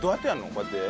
こうやって。